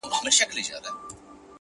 د سکندر او رکسانې یې سره څه,